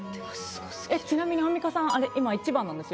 ちなみにアンミカさんあれ今１番なんですよ。